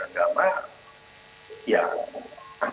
jadi kalau beliau memakai jarum jarum agama